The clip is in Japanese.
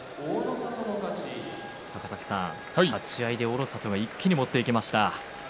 高崎さん、立ち合いで大の里が一気に持っていきました。